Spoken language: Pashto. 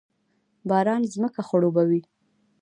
باران ځمکه خړوبوي